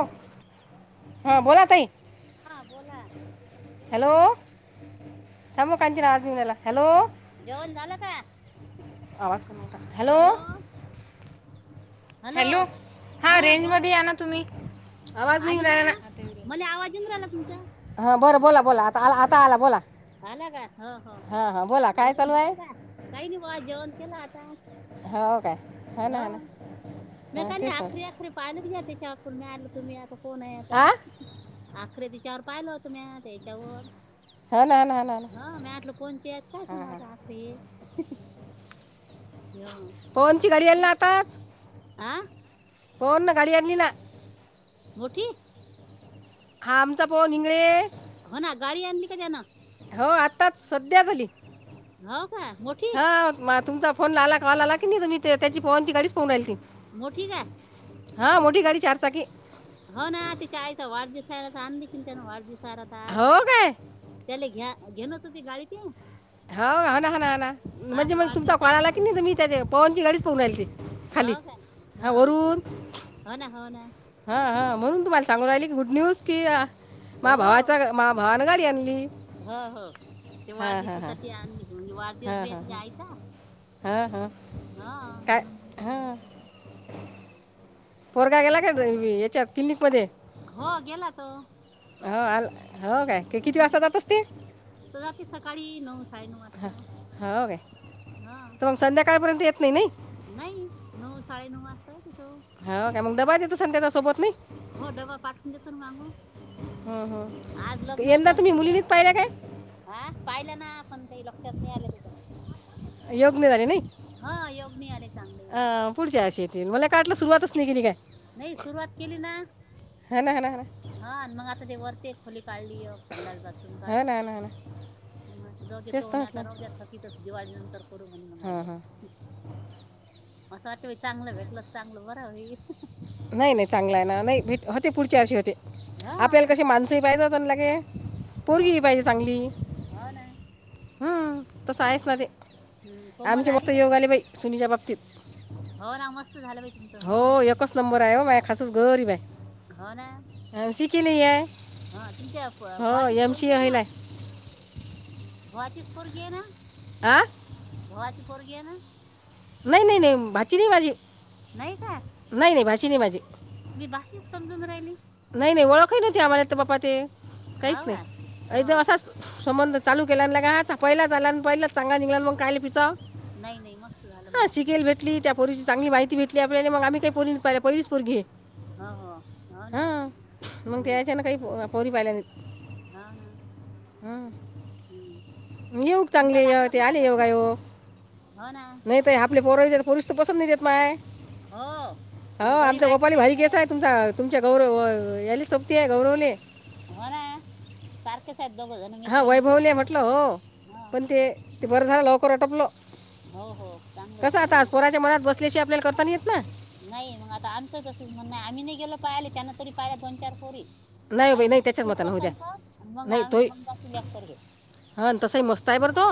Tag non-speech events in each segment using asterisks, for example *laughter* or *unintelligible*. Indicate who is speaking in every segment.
Speaker 1: Hello हा बोला तई
Speaker 2: हा बोला झाला का जेवण तुमचं
Speaker 1: मु
Speaker 2: जेव
Speaker 1: काांजनजला हॅलो
Speaker 2: जेवण झालं का
Speaker 1: हॅलो हॅलो
Speaker 2: हा
Speaker 1: हां
Speaker 2: बोल
Speaker 1: रेंजमध्ये या ना तुम्ही आवाज नाही उडायला ना
Speaker 2: मला आवाज येऊन राहिला तुमचा
Speaker 1: हा बोला बोला बोला आता आ आता आला बोला
Speaker 2: आला का हो हो
Speaker 1: हां हां बोला काय
Speaker 2: जेवण
Speaker 1: चालू आहे
Speaker 2: झालं का काही नाही ब जेवण केलं आता
Speaker 1: हो काय हा ना
Speaker 2: ह
Speaker 1: हा ना
Speaker 2: मग
Speaker 1: हां
Speaker 2: का नाही
Speaker 1: तेच
Speaker 2: अखरे
Speaker 1: म्हटलं
Speaker 2: अखरे पाल ब जाते पूर म आल तुम्ही आता फोन आहे
Speaker 1: आ
Speaker 2: आता आखे दिच्यावर पाहिल हो तुम्ही त्याच्यावर
Speaker 1: हो ना हा ना ना ना
Speaker 2: हा मी आटल कोणचे आहेत काय सांगाता आली
Speaker 1: फोनची घडी आल ना आताच
Speaker 2: आह
Speaker 1: हो ना गाडी आण आणलीला
Speaker 2: मोठी
Speaker 1: हा आमचा प निंग
Speaker 2: हो ना गाडी आणली का ज ना
Speaker 1: हो आताच सध्या झाली
Speaker 2: हो का मोठी
Speaker 1: हा मा तुमचा फोन ला आला कल आला की नाही तुम् ते त्याची पहनची गडीच पाहून राहीली
Speaker 2: मोठी का
Speaker 1: हा मोठी गाडी चारचाकी
Speaker 2: हो ना त्यािच्या आईचा वाढदिवसला आणशील त्यान वाढदिवस आहारात आज
Speaker 1: हो काय
Speaker 2: त्याला घ्या घेलस होती गाडी त
Speaker 1: हो हा हाणा हा म्हणजे मग तुमचा
Speaker 2: वाढदिवस
Speaker 1: कल
Speaker 2: आहे ना
Speaker 1: आला की
Speaker 2: त्याचे
Speaker 1: नाही तुम्ही त्याच्या पवनची गाडीच पोून आल ते
Speaker 2: हो का ह हो ना हो ना
Speaker 1: हा हां म्हणून तुम्हाला सांगून राहिली की गुड न्यूज की
Speaker 2: हो
Speaker 1: मा भावाचा मा भावानं गाडी आणली
Speaker 2: हो हो ते
Speaker 1: हां हां हां
Speaker 2: वाढदिवसासाठी म्हणजे वाढदिवस बी आहेे आयचा
Speaker 1: हा हा
Speaker 2: हा आन त्यांना बस
Speaker 1: फोरगा गेला का याच्यात क्लिनिक मध्ये
Speaker 2: हो गेला तो
Speaker 1: हो आल हो काय किती
Speaker 2: तुमची
Speaker 1: वासा
Speaker 2: पोर-
Speaker 1: जातच ते
Speaker 2: खय न वास्ता हा
Speaker 1: तर मग संध्याकाळपर्यंत येत नाही नाही
Speaker 2: नाही नऊ साडे नऊ वा
Speaker 1: हा काय मग दबा देत स त्याच्यासोबत नाही
Speaker 2: हो डबा पाठवून देतो ना मागू
Speaker 1: हम् हम यंदा तुम्ही मुलीनीत
Speaker 2: मित्राचं
Speaker 1: पाहिला काय
Speaker 2: हा पाहिलं ना पण काही लक्षात नाही आल्या तच्या
Speaker 1: योगन झाले नाही
Speaker 2: निघाले चांगले
Speaker 1: अ पुढच्या अशी येतील मला काढला सुरवातच नाही केेली काय
Speaker 2: नाही सुरुवात केली ना
Speaker 1: हा ना हा ना हा
Speaker 2: हा मग आता ते वरते कालीक चंदात बतम
Speaker 1: ना हा
Speaker 2: काळल
Speaker 1: ना हा ना हा ना
Speaker 2: म जाऊ द तो
Speaker 1: तेच तर
Speaker 2: म्हणे आता
Speaker 1: म्हटलं
Speaker 2: राहू द्या थकीतच दिवाळी नंतर करू म्हणे
Speaker 1: हां
Speaker 2: मग
Speaker 1: हां
Speaker 2: असं वाट चांगलं भेटलं चांगलं बरं
Speaker 1: नाही नाही चांगला आहे ना नाही भेट होते पुढच्या वर्षी होते
Speaker 2: हा
Speaker 1: आपल्याला कशी
Speaker 2: पुढच्या
Speaker 1: माणसंही पाहिजात लागे पोर
Speaker 2: हो
Speaker 1: घ पाहिजे चांगली हं,
Speaker 2: रर
Speaker 1: तसं आहेच ना ते, आमचे
Speaker 2: आली
Speaker 1: मस्त
Speaker 2: काय
Speaker 1: योग आले बाई, सुनीच्या बाबतीत.
Speaker 2: हो ना मस्त झालं बाई तुमचं हो.
Speaker 1: बरंय आहे ओ माय खासस गरीब हाय.
Speaker 2: हो ना.
Speaker 1: केले आहे.
Speaker 2: हा तुमच्या
Speaker 1: हो
Speaker 2: भावाचीच
Speaker 1: एम सी
Speaker 2: पोरगी
Speaker 1: ए
Speaker 2: हाय
Speaker 1: होईल
Speaker 2: ना,
Speaker 1: आहे
Speaker 2: भावाचीच पोरगी हाय ना?
Speaker 1: आ?
Speaker 2: भावाची पोरगी हाय ना?
Speaker 1: नाही नाही नाही, भाची नाही माझी.
Speaker 2: नाही काय?
Speaker 1: ची नाय माझी.
Speaker 2: मी भाचीच समजून राहिली.
Speaker 1: नाही नाही ओळखही नाही आम्हाला बा्पा ते
Speaker 2: हो
Speaker 1: काहीच
Speaker 2: का
Speaker 1: नाहीद
Speaker 2: हो
Speaker 1: असाच संबंध *inaudible* चालू केल्यालांत लागा पहिला चाला पहिच चांगा निघला मग कायले फिचाव *inaudible*
Speaker 2: नाही नाही मस्त झालं मग.
Speaker 1: भेटली त्या पोरीची चांगली माहितीे भेटली आपल्याले मग आम्ही पोरी *inaudible* पहिली च पोरगी.
Speaker 2: हा हा.
Speaker 1: हा, मग त्या यायच्या ना काही पोरी पाहिल्या नाही.
Speaker 2: हा ना.
Speaker 1: हम्म
Speaker 2: हम्म
Speaker 1: येऊक
Speaker 2: तुमचा
Speaker 1: चांगले य
Speaker 2: लागला
Speaker 1: ते
Speaker 2: नव्हता
Speaker 1: आले
Speaker 2: का फोन
Speaker 1: योगायोग,
Speaker 2: हो ना
Speaker 1: नाहीत आपल्या पोरास तर पोरीस देत नाय माय,
Speaker 2: हो
Speaker 1: हो
Speaker 2: आणि गरीब
Speaker 1: आमच्या
Speaker 2: आहेत ना
Speaker 1: गोपाली
Speaker 2: बाई
Speaker 1: भारी केस
Speaker 2: पोरं
Speaker 1: आहे तुमचा तुमच्या गौरव, याले सोबती आहे गौरवले.
Speaker 2: हो ना, सारखे दोघजण
Speaker 1: हां
Speaker 2: मित्र मित्र
Speaker 1: वैभवले म्हटलं हो
Speaker 2: *unintelligible* हा
Speaker 1: पण ते ते बरं झालं लवकर आटपलं.
Speaker 2: हो हो चांगलं झालं ना.
Speaker 1: तशी आपल्याला करता नाय येत ना.
Speaker 2: नाही मग आता आमचं तस म्हण नाही आम्ही नाही गेलो पाहियले त्यांना तरी पाहिला दोन चार
Speaker 1: नाही हो बाई
Speaker 2: आम्ही
Speaker 1: नाही
Speaker 2: म्हटले
Speaker 1: त्याच्याच
Speaker 2: तू
Speaker 1: मतानं होऊ द्या
Speaker 2: पसंत कर मग आम्ही मग *unintelligible*
Speaker 1: हा तसही मस्त आहे बरं तो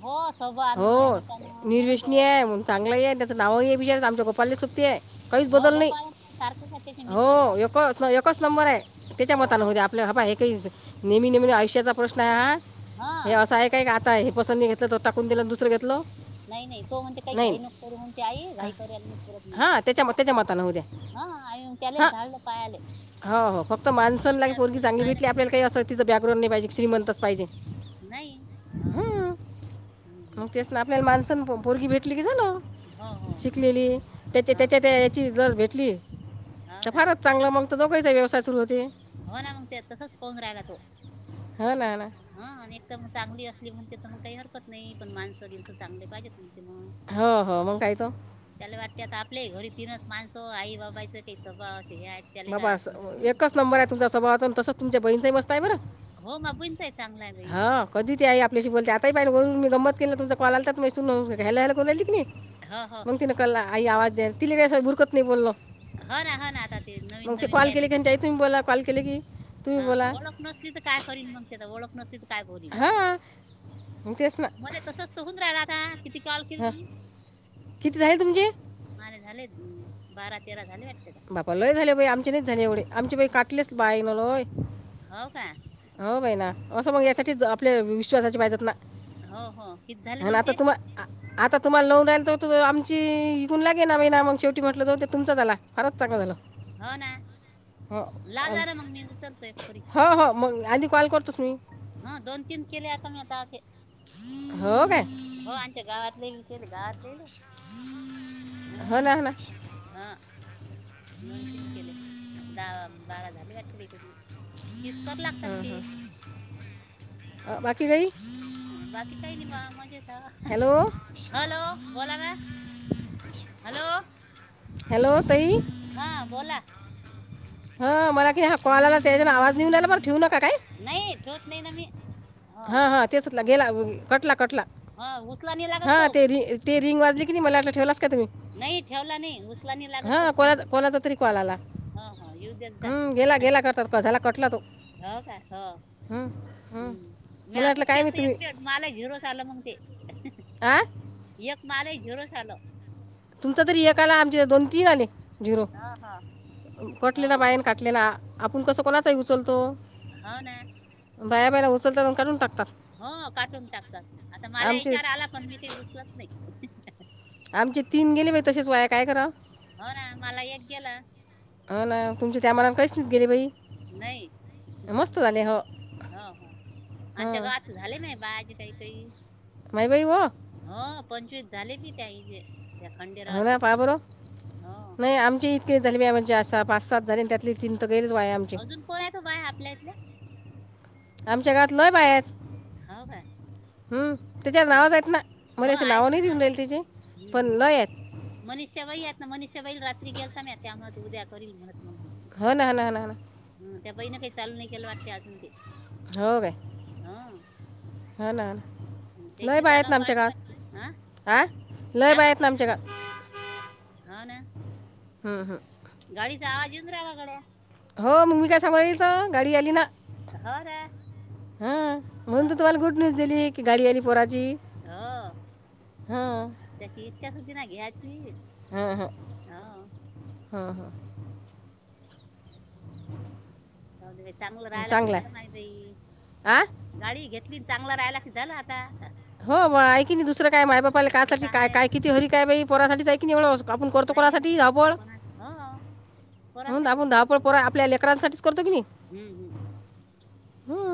Speaker 2: हो सोबा
Speaker 1: *inaudible*
Speaker 2: आणू
Speaker 1: हो
Speaker 2: यानं त्यानं म्हणून ते-
Speaker 1: निर्व्यसनी आहे चांगला आहे. नावही आहे. आमच्या गोपालले शोभती आहे. काहीच
Speaker 2: हो
Speaker 1: बदल नाही
Speaker 2: गोपाळ सारखेच आहेत त्याचे
Speaker 1: *inaudible*
Speaker 2: मित्र
Speaker 1: हो
Speaker 2: सारखे
Speaker 1: एकच एकच नंबर आहे. त्याच्या
Speaker 2: हो
Speaker 1: मतानं
Speaker 2: हो
Speaker 1: होऊ दे. आपल्या हबा हे काही नेहमी नेहमी आयुष्याचा प्रश्न आहे हा
Speaker 2: हा
Speaker 1: हे असा आहे काय? काय हे पसंद नाही घेतलं तर टाकून दिला दुसरं घेतलं.
Speaker 2: नाही नाही तो म्हणते काही
Speaker 1: नाही
Speaker 2: घाईनको करू म्हणते आई घाई करायला मी परत म्हणते.
Speaker 1: हां त्याच्या त्याच्या मतानं होऊ द्या
Speaker 2: हा आणि त्यालाच झाडलं पायाले.
Speaker 1: माणस
Speaker 2: दोन
Speaker 1: अन
Speaker 2: चार
Speaker 1: पोरगी
Speaker 2: पोरी
Speaker 1: चगली
Speaker 2: पाहिल्या
Speaker 1: भेली
Speaker 2: त्याने
Speaker 1: आपल्याला काही असं तिं बॅकग्रउंड नाही पाजे श्रीमंतच पायजे.
Speaker 2: नाही हा हम्म
Speaker 1: मग
Speaker 2: हम्म.
Speaker 1: तेच ना आपल्याला माणसं पोरगी भेटली की झालं.
Speaker 2: हो हो
Speaker 1: शिकलेली त्याच्या
Speaker 2: हा
Speaker 1: त्याच्या
Speaker 2: हा
Speaker 1: त्या याची जर भेटली.
Speaker 2: हा
Speaker 1: *inaudible*
Speaker 2: काय
Speaker 1: फारच चांगला मग तर दोघांचा व्यवसाय सुरू होत.
Speaker 2: हो ना मग ते तसच पाहून राहिला तो.
Speaker 1: हो ना ना
Speaker 2: हा आणि एक तर मग चांगली असली म्हणते तर मग काही हरकत नाही पण माणसं बिनस चांगले पाहिजेत. नाही
Speaker 1: हो हो मग काय तो.
Speaker 2: तत्यात आता आपल्याही घरी तीनच माणस. आई बाबाचं काही सबाा अस हे त्याला काय समजत नाही. *inaudible*
Speaker 1: तुम सभाव असेन तसाच तुमच्या बहीण पाय बरे.
Speaker 2: हो माबूंचा आहे चांगला आहे बाई
Speaker 1: ह कधी ते आपल्याशी बोलते आ म्हणून मी गंमत केलेलं तुमचा कॉल आलात. सुन घ्यायला येईल बोलले की नाही
Speaker 2: हो हो
Speaker 1: मग ति ना कला. आई आवाज द्या तिला का असं भुरकत नाही बोललो.
Speaker 2: हा ना हा ना आता. ते नवीन
Speaker 1: मग ते कॉल केले की त्याही तुम्ही बोला कॉल केले की तुम्ही
Speaker 2: हा
Speaker 1: बोला
Speaker 2: ओळख नसली तर काय करन मग ते ओळख नस त काय ब
Speaker 1: हां मग तेच ना
Speaker 2: मला तसच त होून राहि किती काल केली
Speaker 1: हां
Speaker 2: तुम्ही?
Speaker 1: किती झाले तुमचे
Speaker 2: माझ झाले बारा तेरा झाले. वाटते आता.
Speaker 1: बापा लय झाले बाई. आमचे नाही झाले एवढे आमचेई काटलेच बाई ना लोय
Speaker 2: हो का?
Speaker 1: हो बहि ना असं मग यासाठीच आपल्या विश्वासाचे पाहिजे ना.
Speaker 2: हो हो किती झाले
Speaker 1: आणि आता
Speaker 2: तुमचे?
Speaker 1: तुम्हा आ- आता तुम्हाला नव राल तर आमची इथूनगे ना म ना मग शेवटी म्हटलं जा ते तुमचां झाला. हारच सांगा झालं
Speaker 2: हो ना.
Speaker 1: हो
Speaker 2: लावा ना मग मी उचलतो एक
Speaker 1: हो हो मग. आधी कॉल करतोस मी
Speaker 2: हा दोन तीन केले आता मी आता असे
Speaker 1: हो काय?
Speaker 2: ली घात लले हा
Speaker 1: हो ना हो ना
Speaker 2: हा दोन तिन केले दहा बारा झाली वाटत बतली इतकर लागतात ते
Speaker 1: बाकी काही
Speaker 2: बाकी काही नाही बा मजेचा.
Speaker 1: हॅलो
Speaker 2: हॅलो बोला ना हॅलो,
Speaker 1: हॅलो ताई
Speaker 2: हा बोला.
Speaker 1: ह मला कि हा कॉलला त्याच्या आवाज नि येऊ रहायला पण ठिवतो.
Speaker 2: नाही ठेवत नाही ना मी हा.
Speaker 1: हां हां तेच गेला कटला कटला.
Speaker 2: हा उचला नाही लागत तो
Speaker 1: हा ते र रिंग वाज की नाही मला ठेव
Speaker 2: नाही ठेवला नाही. उसलानी लागत
Speaker 1: हां
Speaker 2: तर फन ह हो
Speaker 1: हम् गेला गेला करतात झाला कटला तो.
Speaker 2: हो का? हो.
Speaker 1: हं, हं.
Speaker 2: हम्म मी
Speaker 1: मला वाटलं
Speaker 2: असंच
Speaker 1: काय
Speaker 2: केलं
Speaker 1: मी
Speaker 2: तर एक
Speaker 1: तुम्ही
Speaker 2: वे मला झिरो आलं मंग ते.
Speaker 1: आ
Speaker 2: एक माल झीरो झालं.
Speaker 1: तुमचा तर एक आला आमचे दोन तीन आले. झिरो.
Speaker 2: हा हा हा
Speaker 1: कटले ना बायन काटले ना आपण कसं कोणाचांही उचलतो.
Speaker 2: हो ना.
Speaker 1: बाया बाहेला उचलता काून टाक
Speaker 2: हो काटून टाकतात आता मला
Speaker 1: आमचे
Speaker 2: विचार आला पण मी ते घुसवत नाही
Speaker 1: आमची तीम गेली म तसेच वाया काय कराव
Speaker 2: हो ना मला एक गेलं
Speaker 1: ह ना तुमच्या त्या मलान काहीच नाहीत गेले बाई
Speaker 2: नाही
Speaker 1: मस्त झाले हो
Speaker 2: आणि त्या ग
Speaker 1: हां
Speaker 2: आत झाले नाही बाजे
Speaker 1: माई बाई हो
Speaker 2: हा पंचवीस झाले मी त्या त्या
Speaker 1: हो
Speaker 2: खंडेरावाचे
Speaker 1: ना पहा बर
Speaker 2: हो
Speaker 1: नाही आमचे इतके जलम्या म्हणजे असा पाच सात झाले त्यातले तीन तर गैरच बाया आमचे
Speaker 2: अजून पोत बाय आपल्या इथल्या
Speaker 1: आमच्या घातलंय बाय
Speaker 2: हो का
Speaker 1: हम्म त्याच्यावर
Speaker 2: हं.
Speaker 1: नावच आहेतत ना
Speaker 2: हो
Speaker 1: म्हजे असे
Speaker 2: आहेत
Speaker 1: नाव
Speaker 2: ना
Speaker 1: नाही देऊन राहिले त्याचे पण लय हाईत
Speaker 2: मनष्य वही आहेत ना मनष्य बही रा म त्या मत उद्या कर म
Speaker 1: हो ना हो ना हो ना हो ना
Speaker 2: म त्या बाईन काही चालू नाही केलं वाटत त्या दते
Speaker 1: हो का हा ना लय
Speaker 2: त्याची
Speaker 1: बाया आहेत
Speaker 2: जागा
Speaker 1: ना आमच्या
Speaker 2: पाळली
Speaker 1: गावात
Speaker 2: पाहिते हं
Speaker 1: हा लय बाया
Speaker 2: जागा
Speaker 1: आहेत ना आमच्या
Speaker 2: पालीते
Speaker 1: गावात
Speaker 2: हा ना
Speaker 1: हम् हम्.
Speaker 2: गाडीचा आवाज येऊन राहिला *inaudible*
Speaker 1: हो मूमिका सांगालीेतो गाडी अली ना
Speaker 2: हो रे.
Speaker 1: हा म्हणून तू तुम्हाला गुड न्यूज दिली की गाडी आली पोराची
Speaker 2: हो
Speaker 1: हा.
Speaker 2: *unintelligible*
Speaker 1: हम ह
Speaker 2: हो
Speaker 1: हम हा.
Speaker 2: हो दे बाई चांगलं
Speaker 1: हां
Speaker 2: राहायला की
Speaker 1: चांगला
Speaker 2: झालं
Speaker 1: आहे
Speaker 2: नाही बाई
Speaker 1: आ
Speaker 2: गाडी घेतली चांगलं राहायला की झालं आता
Speaker 1: हो बा ऐ कि नाही दुसर काय माय बापाला कासाठी का काय किती होरी काय बा पोरासाठी जाय की निवळ आपण करतो कोणासाठी धावळ.
Speaker 2: ह.
Speaker 1: हो आपण धहापळ पर आपल्या लेकरांसाठीच करतो की नाही.
Speaker 2: हम्म हम्म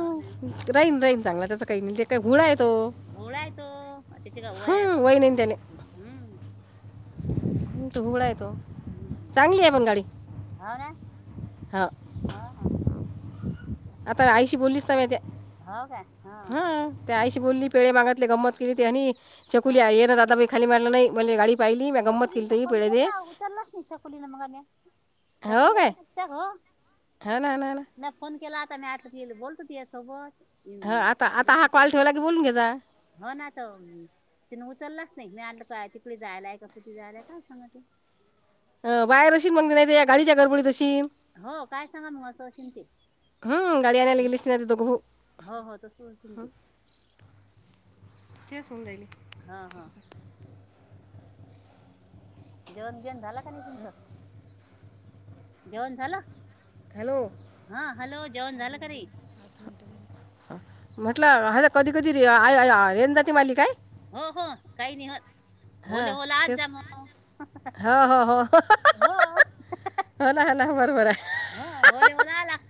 Speaker 2: हो ना
Speaker 1: राहीन राहीन चांगला त्याचा काही नाही ते काय घुळा आहे. तो
Speaker 2: होळा आहे तो तिथे का वया
Speaker 1: हं,
Speaker 2: का
Speaker 1: वय
Speaker 2: बज हम्म.
Speaker 1: तुम्हाला त
Speaker 2: हम्म.
Speaker 1: चांगली आहे पण गाडी
Speaker 2: हो ना
Speaker 1: हा
Speaker 2: हा
Speaker 1: आता आईशी बोललीस?
Speaker 2: हो का.
Speaker 1: हा त्या आईशी बोलली पेळे मागतले गंमत केली ते आणि चकुली
Speaker 2: हा
Speaker 1: ये ना आता खाली मारला नाही म्हण गाडी पाहिली मी गंमत केली
Speaker 2: चकुलीने
Speaker 1: तरी
Speaker 2: फम के
Speaker 1: पेळे दे
Speaker 2: ना उतारलंच नाही चकुलीने मगाने
Speaker 1: हो
Speaker 2: शकडी
Speaker 1: काय
Speaker 2: काक हो
Speaker 1: हो ना ना ना
Speaker 2: नाही फोन केला. बोलत त सोबत.
Speaker 1: ह आता आता हा
Speaker 2: ज्योती
Speaker 1: कॉल
Speaker 2: सोबत
Speaker 1: ठेवला की बोलून घे जा.
Speaker 2: हो ना तर तिने उचललाच नाही मी आण काय तिकडे जायलाय का कुठे जायलाय काय सांगा ते
Speaker 1: अ बाहेर अशी म्हण नाही या गाडीच्या गडबडीतशी
Speaker 2: हो काय सांगा मग असंशिं ते.
Speaker 1: ह गाडी
Speaker 2: हं?
Speaker 1: आणनेलागली सि ना त दोघघू.
Speaker 2: हो हो तसं असेल ते
Speaker 1: *inaudible*
Speaker 2: हा हा. जेवण घेऊन झाला का नाही तुमचं जेवण झालं.
Speaker 1: हॅलो
Speaker 2: हा हॅलो जेवण झालं का रे.
Speaker 1: म्हटलं हता कधी कधी रेनजाती मालिक आहे.
Speaker 2: हो हो काही नाही हो होले होले आज जा मग.
Speaker 1: हा हा ह.
Speaker 2: हो
Speaker 1: हो ना ह ना बरोबर आहे.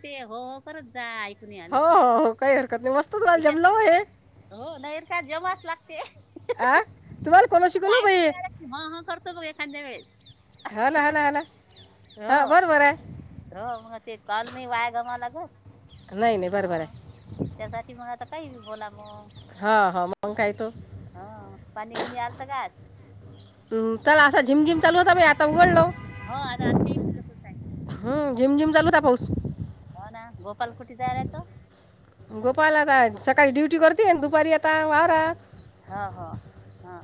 Speaker 2: ते हो हो करत जाय.
Speaker 1: हो हो हो काही हरकत नाही मस्त. तुम्हाला जमलं हो हे
Speaker 2: त्याच्यात हो नाहीर का जमाच लागते.
Speaker 1: कोण शिकलो बाई
Speaker 2: खंद्या वेळेच.
Speaker 1: हा ना हला हला
Speaker 2: हो
Speaker 1: हा बरोबर आहे.
Speaker 2: हो मग ते कल नाही वाया गमा लागत
Speaker 1: नाही नाही
Speaker 2: ह
Speaker 1: बरोबर आहे
Speaker 2: त्यासाठी मग आता. काही बी बोला मग
Speaker 1: हो हो मग काय तो
Speaker 2: हा पाणी बीनी आलत काय आज
Speaker 1: म चला असा झिमझिम चाल होता म आता उघडल.
Speaker 2: हो आर आणि ते इथडे कसच आहे.
Speaker 1: हं, झिमझिम चालू होता पाऊस
Speaker 2: हो ना गोपाल कुठे जाराय तो.
Speaker 1: गोपाळ आता सकाळी ड्युटी करते दुपारी आता व राहात
Speaker 2: हा हा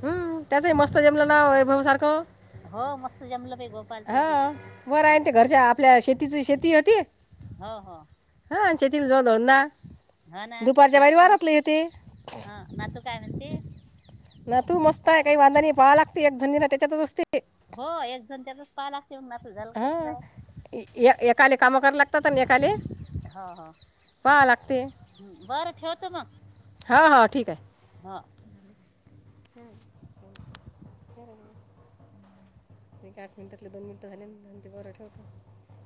Speaker 1: हम् त्याचही मस्त जेमलं नाव वैभव सारखं
Speaker 2: हो मस्त जमलं
Speaker 1: हा
Speaker 2: गोपालचं बी
Speaker 1: बरं आहे
Speaker 2: हम्म.
Speaker 1: ते घरच्या आपल्या शेतीची शेती होती
Speaker 2: हा हा
Speaker 1: हचेती *inaudible*
Speaker 2: हा ना नातू हा नातू काय म्हंती
Speaker 1: य काही बांधणी पहा लागते एक झुनीला त्याच्यातच असते
Speaker 2: हो एक जण त्यातच पाला
Speaker 1: हा एकाले कामं करा लागतात एकाले
Speaker 2: हा ह
Speaker 1: पाहावं लागते
Speaker 2: हम् बरं ठेवत मग
Speaker 1: हां हां ठीक आहे
Speaker 2: हा
Speaker 1: एक आठ मिनिटातले दोन मिनिटं झाल्यांत आणि ते बरं ठेवत